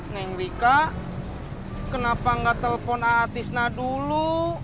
neng rika kenapa gak telpon aatisna dulu